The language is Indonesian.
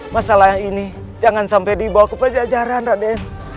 masalah ini jangan sampai dibawa ke penjajaran raden